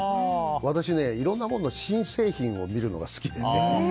私ね、いろんなものの新製品を見るのが好きでね。